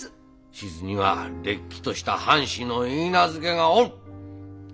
志津にはれっきとした藩士の許嫁がおる！